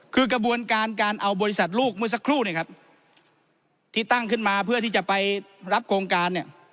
คือกระบวนการการเอาบริษัทลูกเมื่อสักครู่เนี่ยครับที่ตั้งขึ้นมาเพื่อที่จะไปรับโครงการเนี่ย